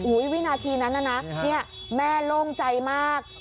วินาทีนั้นน่ะนะแม่โล่งใจมาก